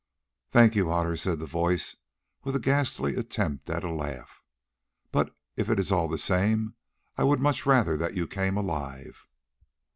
"Thank you, Otter," said the voice with a ghastly attempt at a laugh, "but if it is all the same, I would much rather that you came alive."